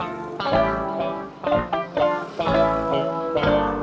aduh udah aja deh